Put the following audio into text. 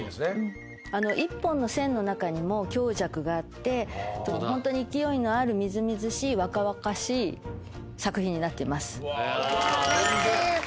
１本の線の中にも強弱があってホントに勢いのあるみずみずしい若々しい作品になってます。